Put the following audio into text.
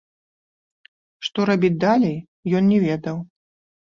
Што рабіць далей, ён не ведаў.